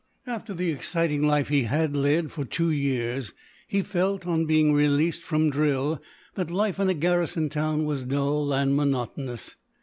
After the exciting life he had led, for two years, he felt, on being released from drill, that life in a garrison town was dull and monotonous.